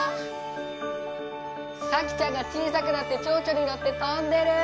さきちゃんが小さくなってちょうちょに乗って飛んでる！